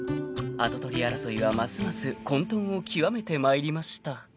［跡取り争いはますます混沌を極めてまいりました］